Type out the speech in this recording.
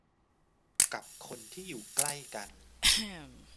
กับคนที่อยู่ใกล้กัน